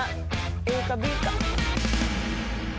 ＡかＢか。